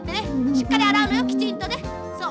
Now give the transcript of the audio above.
しっかりあらうのよきちんとね。